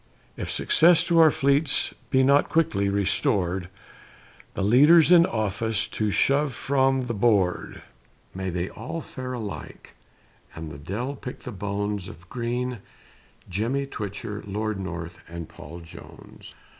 If success to our fleets be not quickly restor'd, The Leaders in office to shove from the board; May they all fare alike, and the De'il pick the bones Of Green, Jemmy Twitcher, Lord North, and Paul Jones!